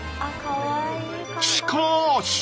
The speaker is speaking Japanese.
しかぁし！